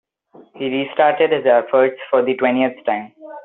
He restarted his efforts for the twentieth time.